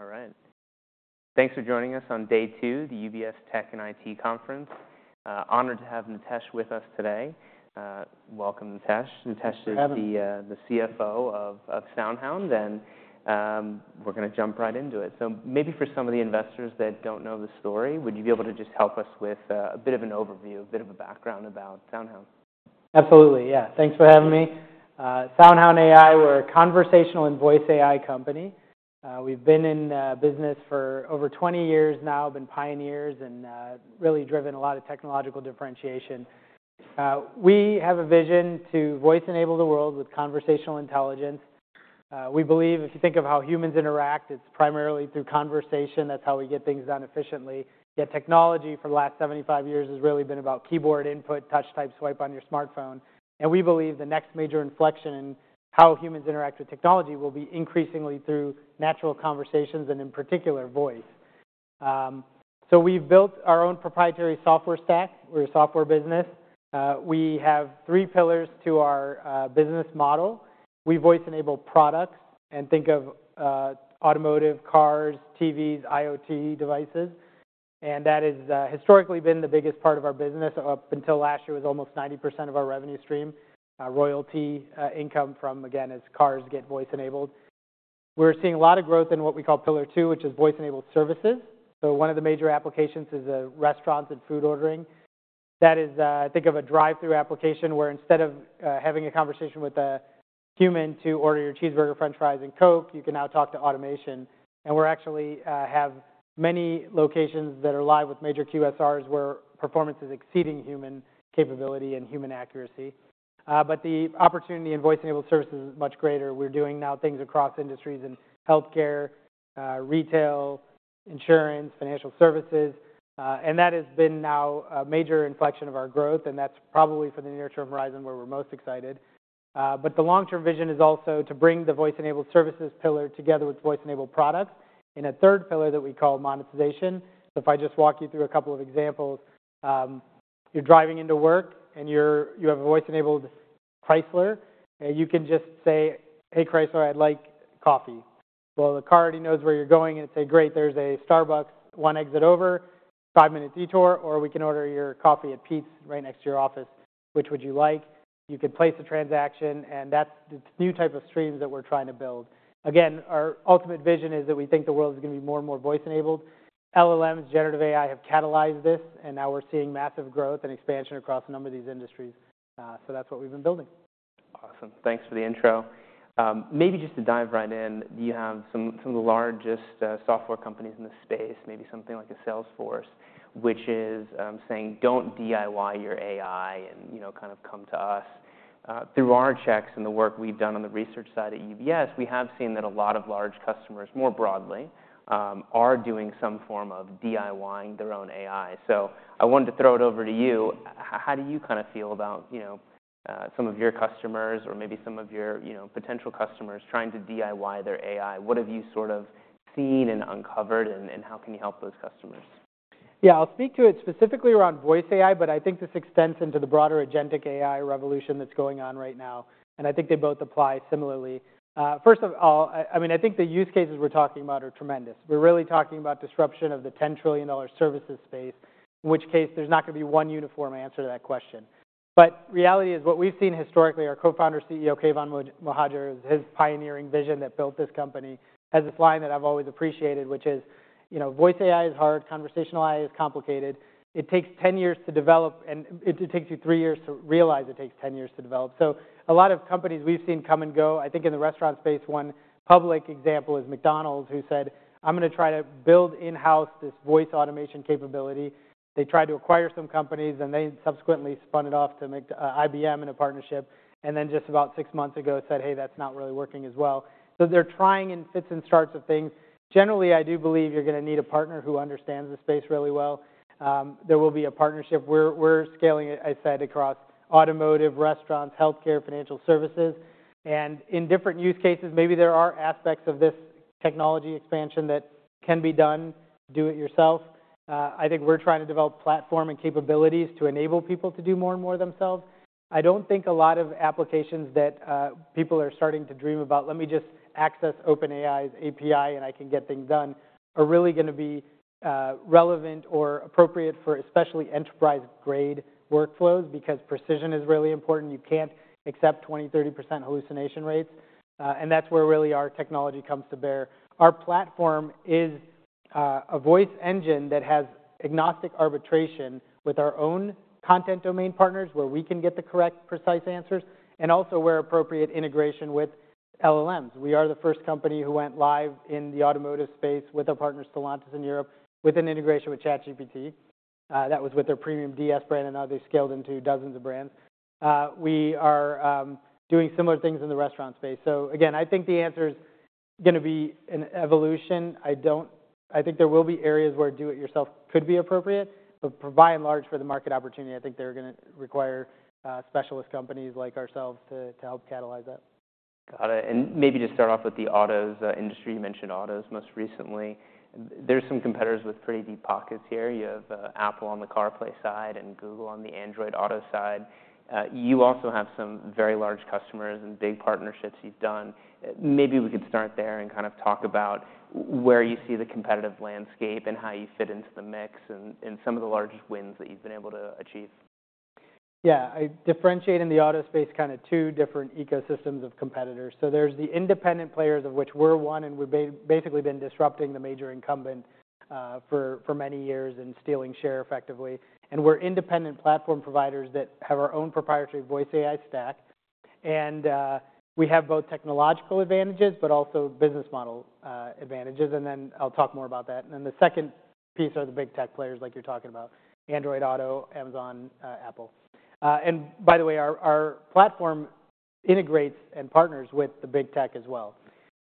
All right. Thanks for joining us on day two of the UBS Tech and AI Conference. Honored to have Nitesh with us today. Welcome, Nitesh. Nitesh is the CFO of SoundHound, and we're gonna jump right into it. So maybe for some of the investors that don't know the story, would you be able to just help us with a bit of an overview, a bit of a background about SoundHound? Absolutely. Yeah. Thanks for having me. SoundHound AI, we're a conversational and voice AI company. We've been in business for over 20 years now, been pioneers and really driven a lot of technological differentiation. We have a vision to voice-enable the world with conversational intelligence. We believe if you think of how humans interact, it's primarily through conversation. That's how we get things done efficiently. Yet technology for the last 75 years has really been about keyboard input, touch-type swipe on your smartphone, and we believe the next major inflection in how humans interact with technology will be increasingly through natural conversations and, in particular, voice, so we've built our own proprietary software stack. We're a software business. We have three pillars to our business model. We voice-enable products and think of automotive, cars, TVs, IoT devices. And that has historically been the biggest part of our business. Up until last year, it was almost 90% of our revenue stream: royalty income from, again, as cars get voice-enabled. We're seeing a lot of growth in what we call pillar two, which is voice-enabled services. So one of the major applications is restaurants and food ordering. That is, think of a drive-thru application where instead of having a conversation with a human to order your cheeseburger, French fries, and Coke, you can now talk to automation. And we actually have many locations that are live with major QSRs where performance is exceeding human capability and human accuracy. But the opportunity in voice-enabled services is much greater. We're now doing things across industries in healthcare, retail, insurance, financial services ,and that has now been a major inflection of our growth, and that's probably for the near-term horizon where we're most excited. But the long-term vision is also to bring the voice-enabled services pillar together with voice-enabled products in a third pillar that we call monetization. So if I just walk you through a couple of examples, you're driving into work and you have a voice-enabled Chrysler, and you can just say, "Hey, Chrysler, I'd like coffee." Well, the car already knows where you're going, and it's, "Hey, great. There's a Starbucks one exit over, five-minute detour, or we can order your coffee at Peet's right next to your office. Which would you like?" You could place a transaction, and that's the new type of streams that we're trying to build. Again, our ultimate vision is that we think the world is gonna be more and more voice-enabled. LLMs, generative AI have catalyzed this, and now we're seeing massive growth and expansion across a number of these industries. So that's what we've been building. Awesome. Thanks for the intro. Maybe just to dive right in, do you have some of the largest software companies in the space, maybe something like a Salesforce, which is saying, "Don't DIY your AI and, you know, kind of come to us." Through our checks and the work we've done on the research side at UBS, we have seen that a lot of large customers more broadly are doing some form of DIYing their own AI. So I wanted to throw it over to you. How do you kinda feel about, you know, some of your customers or maybe some of your, you know, potential customers trying to DIY their AI? What have you sort of seen and uncovered, and how can you help those customers? Yeah. I'll speak to it specifically around voice AI, but I think this extends into the broader agentic AI revolution that's going on right now, and I think they both apply similarly. First of all, I, I mean, I think the use cases we're talking about are tremendous. We're really talking about disruption of the $10 trillion services space, in which case there's not gonna be one uniform answer to that question, but reality is what we've seen historically, our co-founder CEO, Keyvan Mohajer, is his pioneering vision that built this company has this line that I've always appreciated, which is, you know, "Voice AI is hard. Conversational AI is complicated. It takes 10 years to develop, and it takes you three years to realize it takes 10 years to develop." So a lot of companies we've seen come and go. I think in the restaurant space, one public example is McDonald's, who said, "I'm gonna try to build in-house this voice automation capability." They tried to acquire some companies, and they subsequently spun it off to McDonald's, IBM in a partnership, and then just about six months ago said, "Hey, that's not really working as well." So they're trying in fits and starts of things. Generally, I do believe you're gonna need a partner who understands the space really well. There will be a partnership. We're scaling it, I said, across automotive, restaurants, healthcare, financial services. And in different use cases, maybe there are aspects of this technology expansion that can be done, do it yourself. I think we're trying to develop platform and capabilities to enable people to do more and more themselves. I don't think a lot of applications that, people are starting to dream about, "Let me just access OpenAI's API and I can get things done," are really gonna be relevant or appropriate for especially enterprise-grade workflows because precision is really important. You can't accept 20%-30 hallucination rates, and that's where really our technology comes to bear. Our platform is a voice engine that has agnostic arbitration with our own content domain partners where we can get the correct, precise answers and also where appropriate integration with LLMs. We are the first company who went live in the automotive space with a partner, Stellantis, in Europe with an integration with ChatGPT, that was with their premium DS brand, and now they've scaled into dozens of brands. We are doing similar things in the restaurant space, so again, I think the answer's gonna be an evolution. I think there will be areas where do-it-yourself could be appropriate, but by and large, for the market opportunity, I think they're gonna require specialist companies like ourselves to help catalyze that. Got it. And maybe to start off with the autos industry, you mentioned autos most recently. There's some competitors with pretty deep pockets here. You have Apple on the CarPlay side and Google on the Android Auto side. You also have some very large customers and big partnerships you've done. Maybe we could start there and kind of talk about where you see the competitive landscape and how you fit into the mix and some of the largest wins that you've been able to achieve. Yeah. I differentiate in the auto space kinda two different ecosystems of competitors. So there's the independent players, of which we're one, and we've basically been disrupting the major incumbent for many years and stealing share effectively. And we're independent platform providers that have our own proprietary voice AI stack. And we have both technological advantages but also business model advantages. And then I'll talk more about that. And then the second piece are the big tech players like you're talking about: Android Auto, Amazon, Apple. And by the way, our platform integrates and partners with the big tech as well.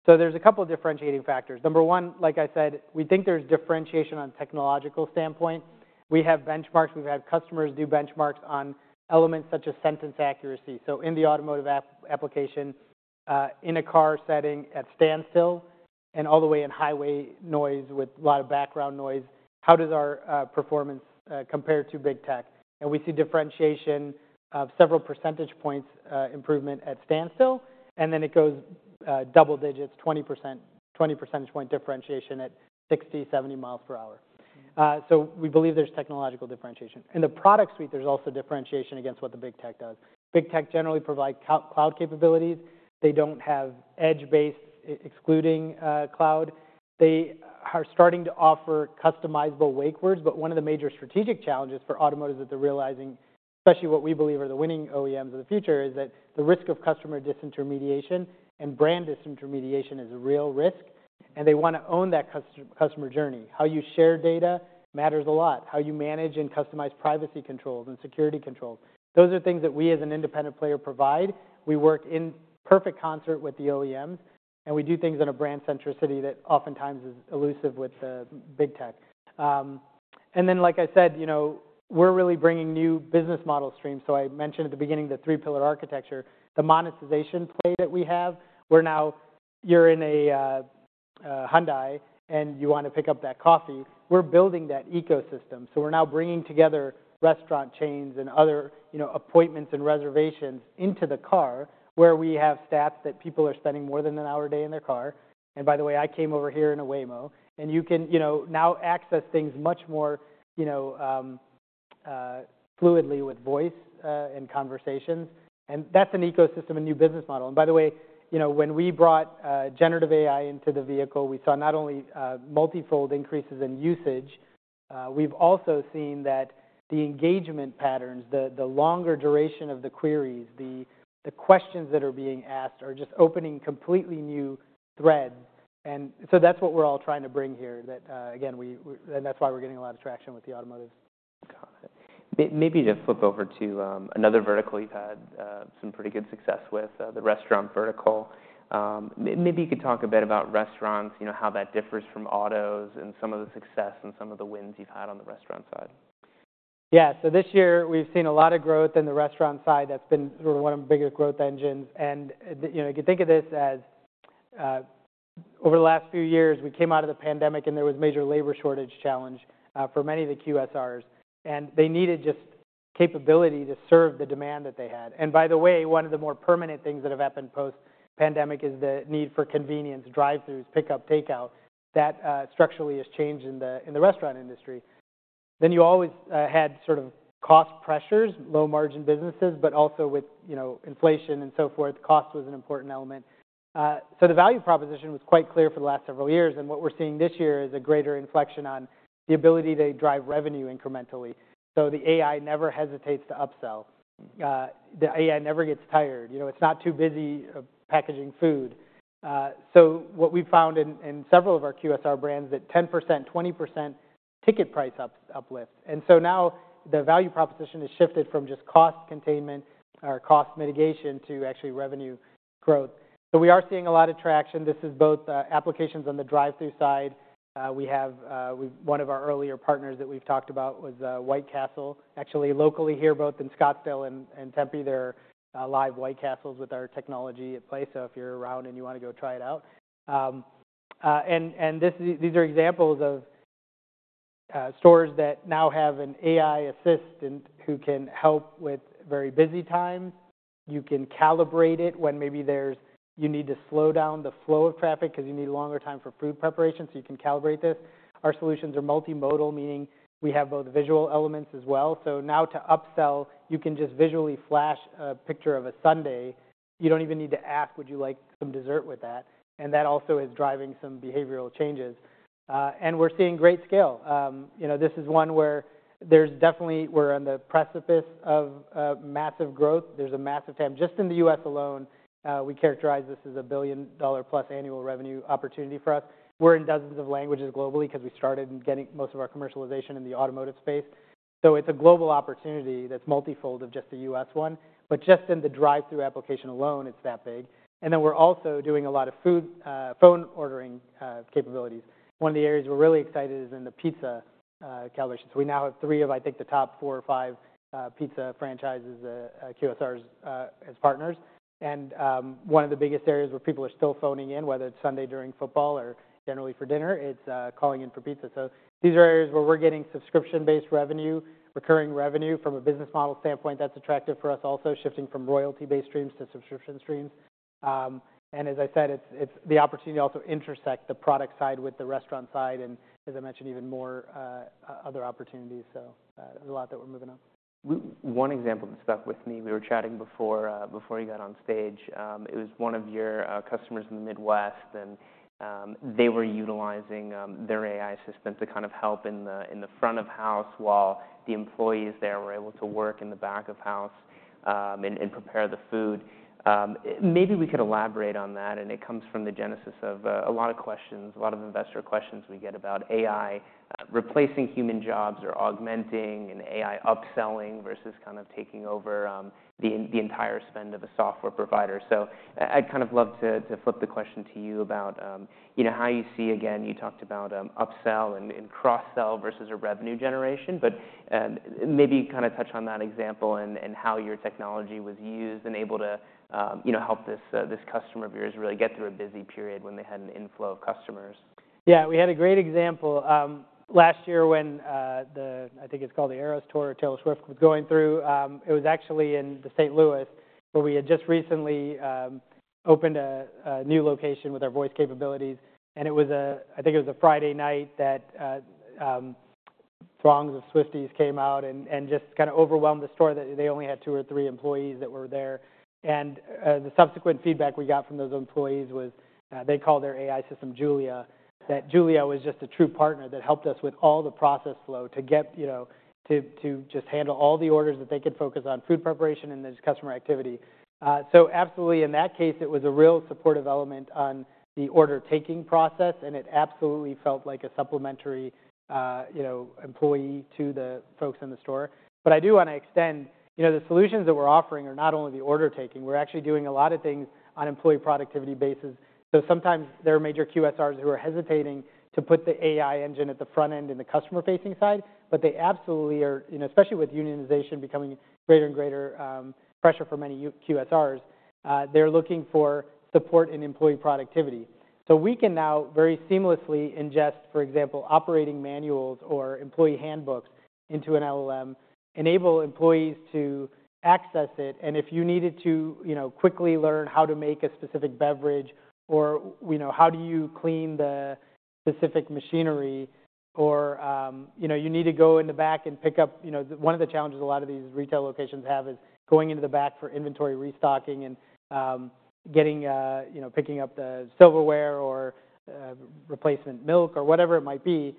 So there's a couple of differentiating factors. Number one, like I said, we think there's differentiation on a technological standpoint. We have benchmarks. We've had customers do benchmarks on elements such as sentence accuracy. So in the automotive application, in a car setting at standstill and all the way in highway noise with a lot of background noise, how does our performance compare to big tech? We see differentiation of several percentage points improvement at standstill. Then it goes double digits, 20% point differentiation at 60-70 miles per hour. So we believe there's technological differentiation. In the product suite, there's also differentiation against what the big tech does. Big tech generally provide cloud capabilities. They don't have edge-based, excluding cloud. They are starting to offer customizable wake words. One of the major strategic challenges for automotive that they're realizing, especially what we believe are the winning OEMs of the future, is that the risk of customer disintermediation and brand disintermediation is a real risk. They wanna own that customer journey. How you share data matters a lot. How you manage and customize privacy controls and security controls, those are things that we as an independent player provide. We work in perfect concert with the OEMs, and we do things in a brand-centricity that oftentimes is elusive with the big tech, and then, like I said, you know, we're really bringing new business model streams. So I mentioned at the beginning the three-pillar architecture, the monetization play that we have. We're now, you're in a Hyundai, and you wanna pick up that coffee. We're building that ecosystem. So we're now bringing together restaurant chains and other, you know, appointments and reservations into the car where we have stats that people are spending more than an hour a day in their car. And by the way, I came over here in a Waymo, and you can, you know, now access things much more, you know, fluidly with voice and conversations. And that's an ecosystem, a new business model. And by the way, you know, when we brought generative AI into the vehicle, we saw not only multifold increases in usage. We've also seen that the engagement patterns, the longer duration of the queries, the questions that are being asked are just opening completely new threads. And so that's what we're all trying to bring here that, again, we and that's why we're getting a lot of traction with the automotives. Got it. Maybe to flip over to another vertical you've had some pretty good success with, the restaurant vertical. Maybe you could talk a bit about restaurants, you know, how that differs from autos and some of the success and some of the wins you've had on the restaurant side. Yeah. So this year we've seen a lot of growth in the restaurant side. That's been sort of one of the biggest growth engines. And, you know, you could think of this as, over the last few years, we came out of the pandemic, and there was major labor shortage challenge, for many of the QSRs. And they needed just capability to serve the demand that they had. And by the way, one of the more permanent things that have happened post-pandemic is the need for convenience, drive-throughs, pickup, takeout. That, structurally has changed in the restaurant industry. Then you always had sort of cost pressures, low-margin businesses, but also with, you know, inflation and so forth, cost was an important element. So the value proposition was quite clear for the last several years. What we're seeing this year is a greater inflection on the ability to drive revenue incrementally. The AI never hesitates to upsell. The AI never gets tired. You know, it's not too busy, packaging food. What we've found in several of our QSR brands that 10%-20 ticket price uplifts. Now the value proposition has shifted from just cost containment or cost mitigation to actually revenue growth. We are seeing a lot of traction. This is both applications on the drive-through side. We have one of our earlier partners that we've talked about was White Castle, actually locally here, both in Scottsdale and Tempe. They're live White Castles with our technology at play. So if you're around and you wanna go try it out, and these are examples of stores that now have an AI assistant who can help with very busy times. You can calibrate it when maybe you need to slow down the flow of traffic 'cause you need longer time for food preparation. So you can calibrate this. Our solutions are multimodal, meaning we have both visual elements as well. So now to upsell, you can just visually flash a picture of a sundae. You don't even need to ask, "Would you like some dessert with that?" And that also is driving some behavioral changes, and we're seeing great scale. You know, this is one where we're definitely on the precipice of massive growth. There's a massive TAM. Just in the US alone, we characterize this as a $1 billion-plus annual revenue opportunity for us. We're in dozens of languages globally 'cause we started in getting most of our commercialization in the automotive space. So it's a global opportunity that's multifold of just the US one. But just in the drive-through application alone, it's that big. And then we're also doing a lot of food phone ordering capabilities. One of the areas we're really excited is in the pizza calibration. So we now have three of, I think, the top four or five pizza franchises, QSRs, as partners. And one of the biggest areas where people are still phoning in, whether it's Sunday during football or generally for dinner, it's calling in for pizza. So these are areas where we're getting subscription-based revenue, recurring revenue from a business model standpoint. That's attractive for us also, shifting from royalty-based streams to subscription streams. As I said, it's the opportunity to also intersect the product side with the restaurant side and, as I mentioned, even more other opportunities. There's a lot that we're moving on. One example that stuck with me, we were chatting before, before you got on stage. It was one of your customers in the Midwest, and they were utilizing their AI assistant to kind of help in the front of house while the employees there were able to work in the back of house, and prepare the food. Maybe we could elaborate on that. It comes from the genesis of a lot of questions, a lot of investor questions we get about AI replacing human jobs or augmenting and AI upselling versus kind of taking over the entire spend of a software provider. So I'd kind of love to flip the question to you about you know, how you see, again, you talked about upsell and cross-sell versus a revenue generation. But maybe you kinda touch on that example and, and how your technology was used and able to, you know, help this, this customer of yours really get through a busy period when they had an inflow of customers. Yeah. We had a great example last year when I think it's called the Eras Tour or Taylor Swift was going through. It was actually in St. Louis where we had just recently opened a new location with our voice capabilities. And it was, I think it was a Friday night that throngs of Swifties came out and just kinda overwhelmed the store that they only had two or three employees that were there. And the subsequent feedback we got from those employees was they called their AI system Julia, that Julia was just a true partner that helped us with all the process flow to get, you know, to just handle all the orders that they could focus on food preparation and their customer activity. So absolutely in that case, it was a real supportive element on the order-taking process, and it absolutely felt like a supplementary, you know, employee to the folks in the store. But I do wanna extend, you know, the solutions that we're offering are not only the order-taking. We're actually doing a lot of things on an employee productivity basis. So sometimes there are major QSRs who are hesitating to put the AI engine at the front end in the customer-facing side, but they absolutely are, you know, especially with unionization becoming greater and greater, pressure for many union QSRs, they're looking for support in employee productivity. So we can now very seamlessly ingest, for example, operating manuals or employee handbooks into an LLM, enable employees to access it. And if you needed to, you know, quickly learn how to make a specific beverage or, you know, how do you clean the specific machinery or, you know, you need to go in the back and pick up, you know, one of the challenges a lot of these retail locations have is going into the back for inventory restocking and, getting, you know, picking up the silverware or, replacement milk or whatever it might be.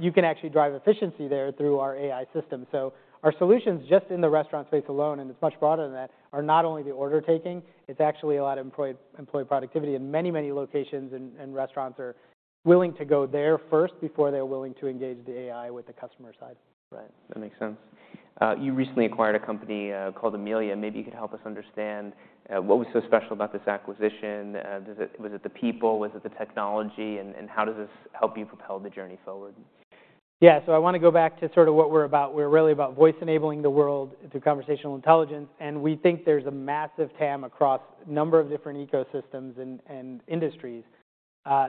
You can actually drive efficiency there through our AI system. So our solutions just in the restaurant space alone, and it's much broader than that, are not only the order-taking. It's actually a lot of employee-employee productivity. And many, many locations and restaurants are willing to go there first before they're willing to engage the AI with the customer side. Right. That makes sense. You recently acquired a company, called Amelia. Maybe you could help us understand, what was so special about this acquisition? Was it the people? Was it the technology? And how does this help you propel the journey forward? Yeah. So I wanna go back to sort of what we're about. We're really about voice-enabling the world through conversational intelligence. And we think there's a massive TAM across a number of different ecosystems and industries.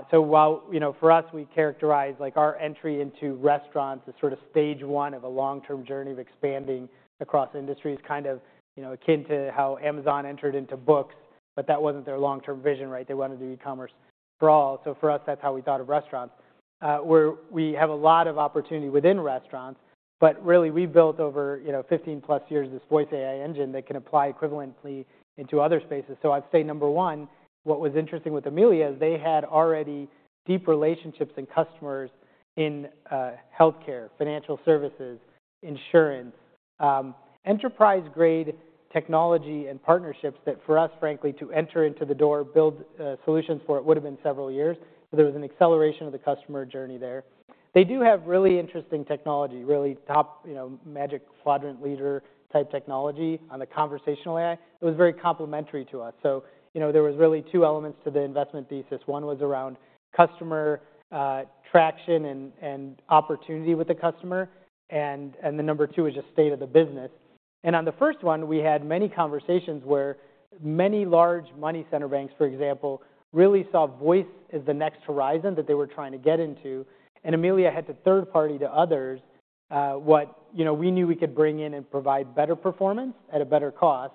So while, you know, for us, we characterize, like, our entry into restaurants as sort of stage one of a long-term journey of expanding across industries, kind of, you know, akin to how Amazon entered into books, but that wasn't their long-term vision, right? They wanted to do e-commerce for all. So for us, that's how we thought of restaurants. We have a lot of opportunity within restaurants, but really we built over, you know, 15+ years this voice AI engine that can apply equivalently into other spaces. So I'd say number one, what was interesting with Amelia is they had already deep relationships and customers in healthcare, financial services, insurance, enterprise-grade technology and partnerships that for us, frankly, to enter into the door, build solutions for it would've been several years. So there was an acceleration of the customer journey there. They do have really interesting technology, really top, you know, Magic Quadrant leader-type technology on the conversational AI. It was very complementary to us. So, you know, there was really two elements to the investment thesis. One was around customer traction and opportunity with the customer. And the number two was just state of the business. And on the first one, we had many conversations where many large money center banks, for example, really saw voice as the next horizon that they were trying to get into. Amelia had to third-party to others, what, you know, we knew we could bring in and provide better performance at a better cost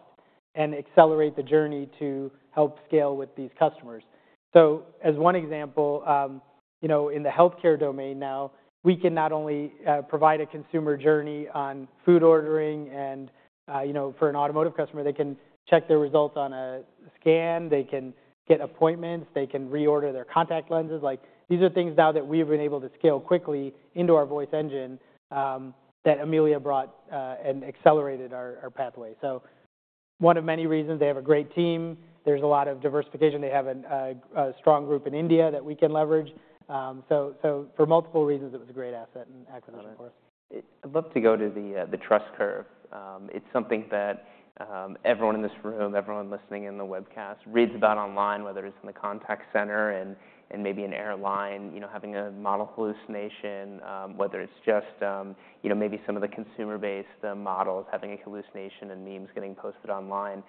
and accelerate the journey to help scale with these customers. So as one example, you know, in the healthcare domain now, we can not only provide a consumer journey on food ordering and, you know, for an automotive customer, they can check their results on a scan. They can get appointments. They can reorder their contact lenses. Like, these are things now that we've been able to scale quickly into our voice engine, that Amelia brought, and accelerated our pathway. So one of many reasons, they have a great team. There's a lot of diversification. They have a strong group in India that we can leverage. So for multiple reasons, it was a great asset and acquisition for us. I'd love to go to the trust curve. It's something that everyone in this room, everyone listening in the webcast reads about online, whether it's in the contact center and maybe an airline, you know, having a model hallucination, whether it's just, you know, maybe some of the consumer-based models having a hallucination and memes getting posted online.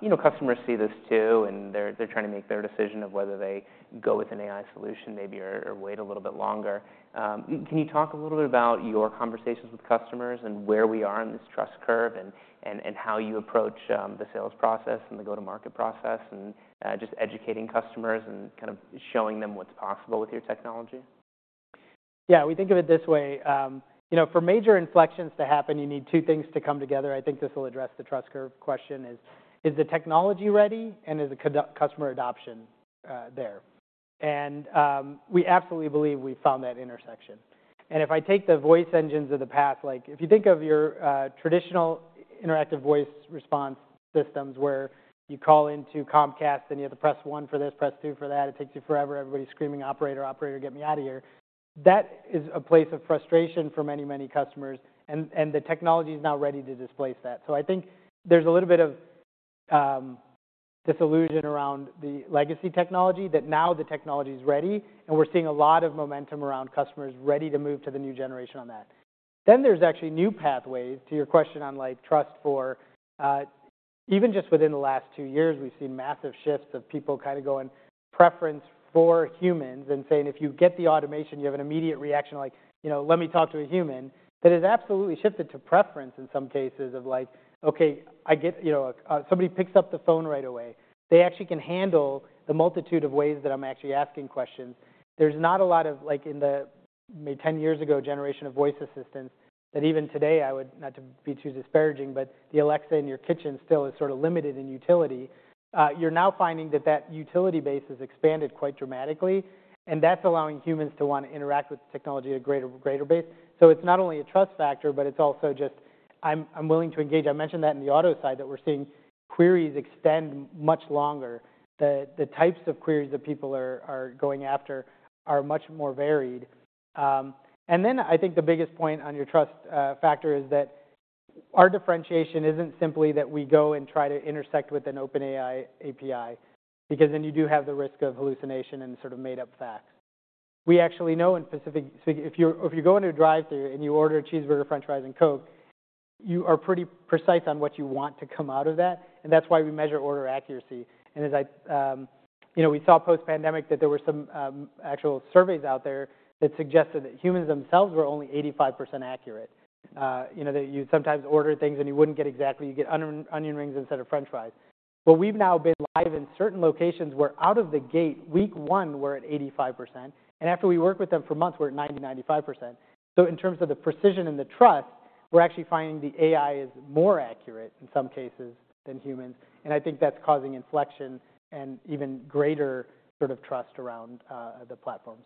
You know, customers see this too, and they're trying to make their decision of whether they go with an AI solution maybe or wait a little bit longer. Can you talk a little bit about your conversations with customers and where we are on this trust curve and how you approach the sales process and the go-to-market process and just educating customers and kind of showing them what's possible with your technology? Yeah. We think of it this way. You know, for major inflections to happen, you need two things to come together. I think this will address the trust curve question: is the technology ready and is the customer adoption there? And we absolutely believe we found that intersection. And if I take the voice engines of the past, like, if you think of your traditional interactive voice response systems where you call into Comcast and you have to press one for this, press two for that, it takes you forever. Everybody's screaming, "Operator, operator, get me outta here." That is a place of frustration for many, many customers. And the technology's now ready to displace that. So I think there's a little bit of disillusion around the legacy technology that now the technology's ready, and we're seeing a lot of momentum around customers ready to move to the new generation on that. Then there's actually new pathways to your question on, like, trust. For even just within the last two years, we've seen massive shifts of people kinda going preference for humans and saying, "If you get the automation, you have an immediate reaction, like, you know, let me talk to a human." That has absolutely shifted to preference in some cases of like, "Okay, I get, you know, somebody picks up the phone right away." They actually can handle the multitude of ways that I'm actually asking questions. There's not a lot of, like, in the maybe 10 years ago generation of voice assistants that even today, I would not want to be too disparaging, but the Alexa in your kitchen still is sort of limited in utility. You're now finding that that utility base has expanded quite dramatically, and that's allowing humans to wanna interact with the technology at a greater, greater basis. So it's not only a trust factor, but it's also just, "I'm, I'm willing to engage." I mentioned that in the auto side that we're seeing queries extend much longer. The, the types of queries that people are, are going after are much more varied. And then I think the biggest point on your trust factor is that our differentiation isn't simply that we go and try to intersect with an OpenAI API because then you do have the risk of hallucination and sort of made-up facts. We actually know in specific if you're going to a drive-through and you order a cheeseburger, French fries, and Coke, you are pretty precise on what you want to come out of that. And that's why we measure order accuracy. And as I you know we saw post-pandemic that there were some actual surveys out there that suggested that humans themselves were only 85% accurate. You know, that you'd sometimes order things and you wouldn't get exactly. You get onion rings instead of French fries. Well, we've now been live in certain locations where out of the gate, week one we're at 85%. And after we worked with them for months, we're at 90%-95. So in terms of the precision and the trust, we're actually finding the AI is more accurate in some cases than humans. And I think that's causing inflection and even greater sort of trust around the platforms.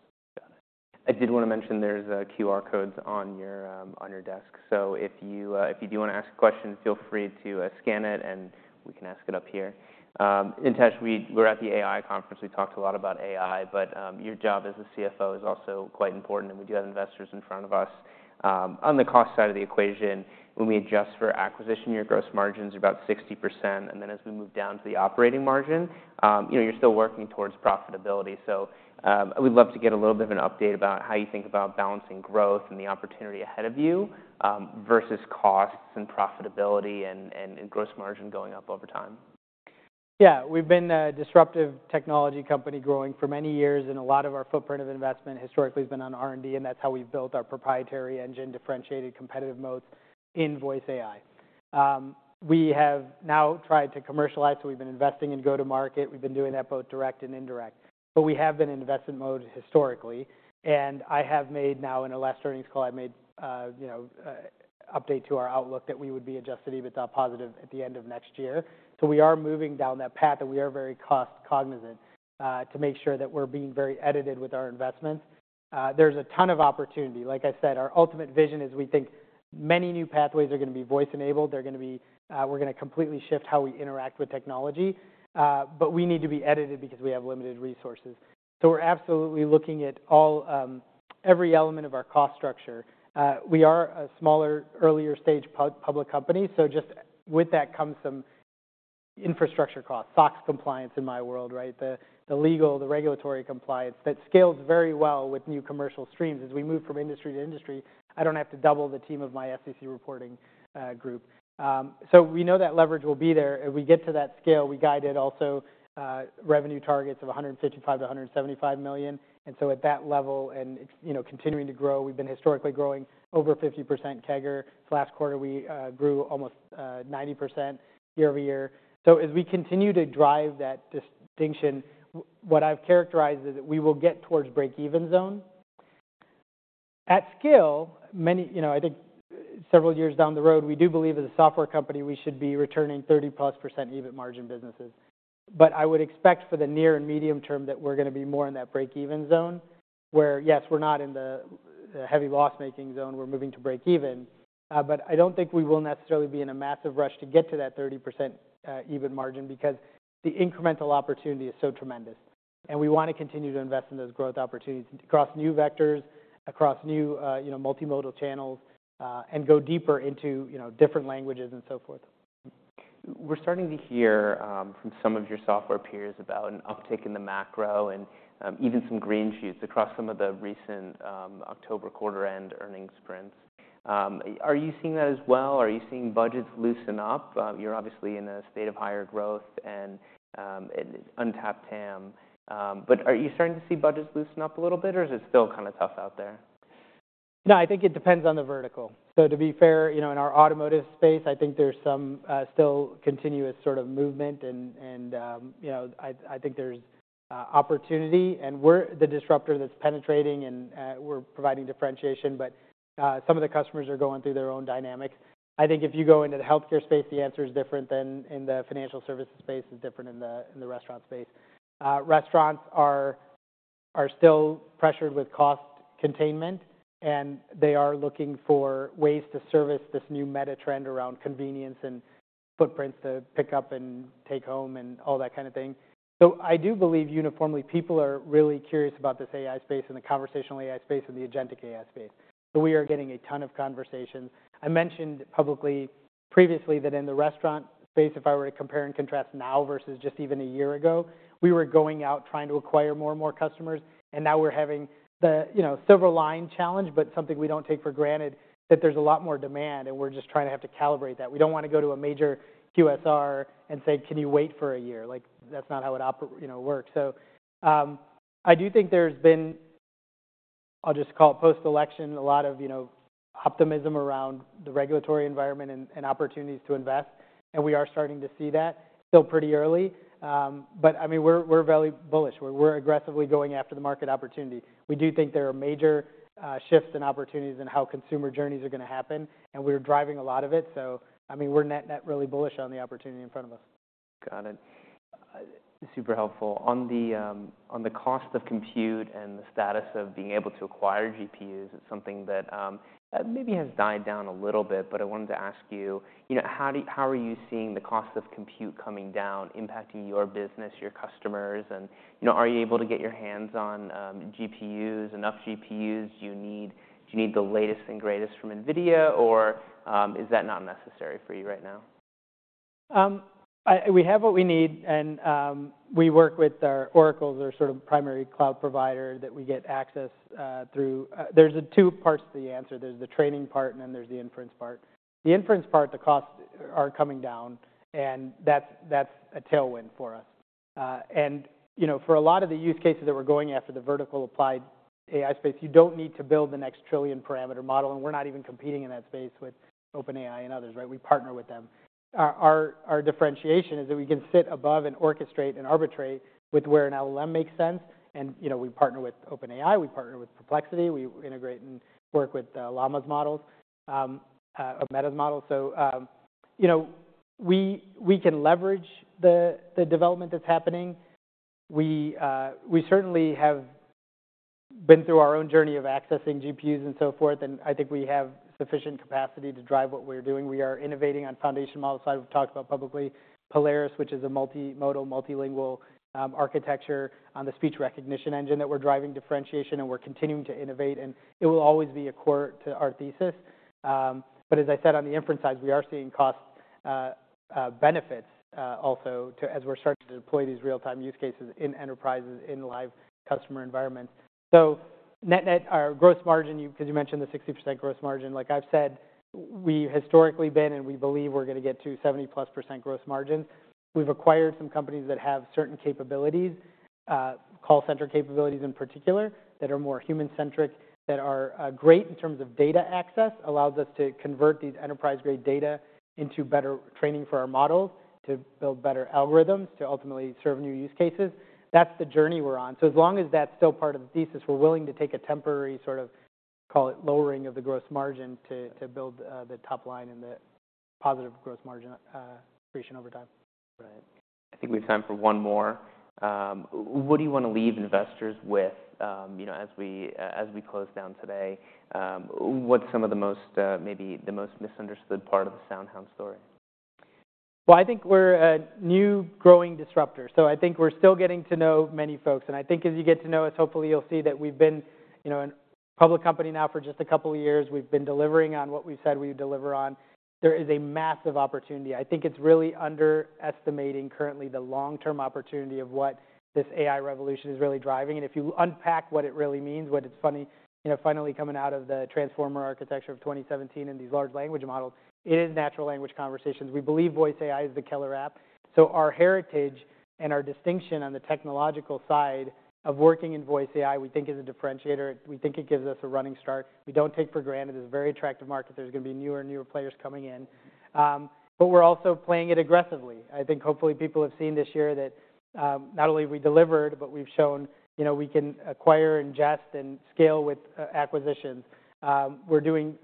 Got it. I did wanna mention there's QR codes on your desk. So if you do wanna ask a question, feel free to scan it and we can ask it up here. Nitesh, we were at the AI conference. We talked a lot about AI, but your job as a CFO is also quite important. And we do have investors in front of us. On the cost side of the equation, when we adjust for acquisition, your gross margins are about 60%. And then as we move down to the operating margin, you know, you're still working towards profitability. So, we'd love to get a little bit of an update about how you think about balancing growth and the opportunity ahead of you, versus costs and profitability and gross margin going up over time. Yeah. We've been a disruptive technology company growing for many years, and a lot of our footprint of investment historically has been on R&D, and that's how we've built our proprietary engine, differentiated competitive moats in voice AI. We have now tried to commercialize, so we've been investing in go-to-market. We've been doing that both direct and indirect. But we have been an investment mode historically. And I have made now in a last earnings call, I made, you know, update to our outlook that we would be adjusted EBITDA positive at the end of next year. So we are moving down that path, and we are very cost cognizant, to make sure that we're being very judicious with our investments. There's a ton of opportunity. Like I said, our ultimate vision is we think many new pathways are gonna be voice-enabled. They're gonna be. We're gonna completely shift how we interact with technology. But we need to be audited because we have limited resources. So we're absolutely looking at every element of our cost structure. We are a smaller, earlier-stage public company. So just with that comes some infrastructure costs, SOX compliance in my world, right? The legal, the regulatory compliance that scales very well with new commercial streams as we move from industry to industry. I don't have to double the team of my SEC reporting group. So we know that leverage will be there. If we get to that scale, we guide it also revenue targets of $155-175 million. And so at that level and you know continuing to grow, we've been historically growing over 50% CAGR. This last quarter, we grew almost 90% year-over-year. As we continue to drive that distinction, what I've characterized is that we will get towards break-even zone. At scale, many, you know, I think several years down the road, we do believe as a software company, we should be returning 30+% EBIT margin businesses. But I would expect for the near and medium term that we're gonna be more in that break-even zone where, yes, we're not in the heavy loss-making zone. We're moving to break-even. But I don't think we will necessarily be in a massive rush to get to that 30% EBIT margin because the incremental opportunity is so tremendous. And we wanna continue to invest in those growth opportunities across new vectors, across new, you know, multimodal channels, and go deeper into, you know, different languages and so forth. We're starting to hear from some of your software peers about an uptick in the macro and even some green shoots across some of the recent October quarter-end earnings prints. Are you seeing that as well? Are you seeing budgets loosen up? You're obviously in a state of higher growth and untapped TAM. But are you starting to see budgets loosen up a little bit, or is it still kinda tough out there? No, I think it depends on the vertical. So to be fair, you know, in our automotive space, I think there's some still continuous sort of movement and, you know, I think there's opportunity. And we're the disruptor that's penetrating and we're providing differentiation, but some of the customers are going through their own dynamics. I think if you go into the healthcare space, the answer is different than in the financial services space is different in the in the restaurant space. Restaurants are still pressured with cost containment, and they are looking for ways to service this new meta trend around convenience and footprints to pick up and take home and all that kinda thing. So I do believe uniformly people are really curious about this AI space and the conversational AI space and the agentic AI space. So we are getting a ton of conversations. I mentioned publicly previously that in the restaurant space, if I were to compare and contrast now versus just even a year ago, we were going out trying to acquire more and more customers, and now we're having the, you know, silver lining challenge, but something we don't take for granted that there's a lot more demand, and we're just trying to have to calibrate that. We don't wanna go to a major QSR and say, "Can you wait for a year?" Like, that's not how it operates, you know, works. So, I do think there's been, I'll just call it post-election, a lot of, you know, optimism around the regulatory environment and, and opportunities to invest, and we are starting to see that still pretty early, but I mean, we're very bullish. We're aggressively going after the market opportunity. We do think there are major shifts and opportunities in how consumer journeys are gonna happen, and we're driving a lot of it. So, I mean, we're net, net really bullish on the opportunity in front of us. Got it. Super helpful. On the cost of compute and the status of being able to acquire GPUs, it's something that maybe has died down a little bit, but I wanted to ask you, you know, how are you seeing the cost of compute coming down impacting your business, your customers? And you know, are you able to get your hands on GPUs, enough GPUs? Do you need the latest and greatest from NVIDIA, or is that not necessary for you right now? We have what we need, and we work with Oracle as our sort of primary cloud provider that we get access through. There's two parts to the answer. There's the training part, and then there's the inference part. The inference part, the costs are coming down, and that's a tailwind for us. You know, for a lot of the use cases that we're going after the vertical applied AI space, you don't need to build the next trillion parameter model, and we're not even competing in that space with OpenAI and others, right? We partner with them. Our differentiation is that we can sit above and orchestrate and arbitrate with where an LLM makes sense. You know, we partner with OpenAI. We partner with Perplexity. We integrate and work with Llama's models, or Meta's models. So, you know, we can leverage the development that's happening. We certainly have been through our own journey of accessing GPUs and so forth, and I think we have sufficient capacity to drive what we're doing. We are innovating on foundation model side. We've talked about publicly Polaris, which is a multimodal, multilingual architecture on the speech recognition engine that we're driving differentiation, and we're continuing to innovate. And it will always be a core to our thesis. But as I said, on the inference side, we are seeing cost benefits also as we're starting to deploy these real-time use cases in enterprises, in live customer environments. So net-net, our gross margin, you 'cause you mentioned the 60% gross margin. Like I've said, we historically been, and we believe we're gonna get to 70+% gross margins. We've acquired some companies that have certain capabilities, call center capabilities in particular that are more human-centric that are great in terms of data access, allows us to convert these enterprise-grade data into better training for our models to build better algorithms to ultimately serve new use cases. That's the journey we're on, so as long as that's still part of the thesis, we're willing to take a temporary sort of, call it lowering of the gross margin to build the top line and the positive gross margin creation over time. Right. I think we have time for one more. What do you wanna leave investors with, you know, as we close down today? What's some of the most, maybe the most misunderstood part of the SoundHound story? I think we're a new growing disruptor. I think we're still getting to know many folks. I think as you get to know us, hopefully you'll see that we've been, you know, a public company now for just a couple of years. We've been delivering on what we've said we would deliver on. There is a massive opportunity. I think it's really underestimating currently the long-term opportunity of what this AI revolution is really driving. If you unpack what it really means, what it's funny, you know, finally coming out of the Transformer architecture of 2017 and these large language models, it is natural language conversations. We believe voice AI is the killer app. Our heritage and our distinction on the technological side of working in voice AI, we think is a differentiator. We think it gives us a running start. We don't take for granted this very attractive market. There's gonna be newer and newer players coming in. But we're also playing it aggressively. I think hopefully people have seen this year that, not only have we delivered, but we've shown, you know, we can acquire and integrate and scale with acquisitions. We're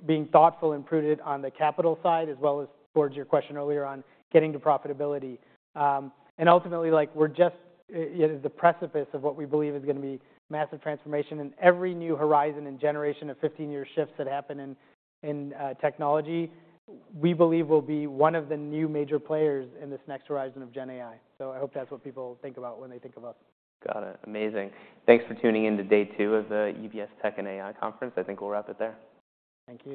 being thoughtful and prudent on the capital side as well as towards your question earlier on getting to profitability. And ultimately, like, we're just, it is the precipice of what we believe is gonna be massive transformation. And every new horizon and generation of 15-year shifts that happen in technology, we believe will be one of the new major players in this next horizon of GenAI. So I hope that's what people think about when they think of us. Got it. Amazing. Thanks for tuning into day two of the UBS Tech and AI Conference. I think we'll wrap it there. Thank you.